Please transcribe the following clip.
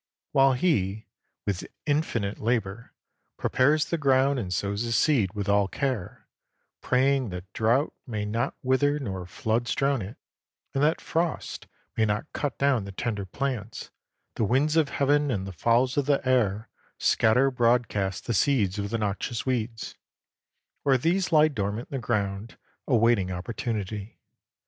While he, with infinite labor, prepares the ground and sows his seed with all care, praying that drouth may not wither nor floods drown it, and that frosts may not cut down the tender plants, the winds of heaven and the fowls of the air scatter broadcast the seeds of the noxious weeds, or these lie dormant in the ground awaiting opportunity.